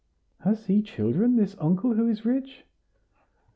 "Has he children, this uncle who is rich?"